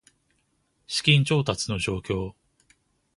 資金調達の状況